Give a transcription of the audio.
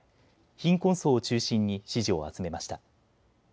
貧困層を中心に支持を集めました。